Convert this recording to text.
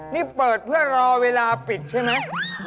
นี่เปิดเพื่อรอเวลาปิดใช่ไหม